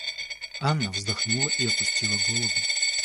Анна вздохнула и опустила голову.